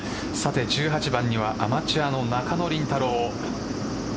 １８番にはアマチュアの中野麟太朗。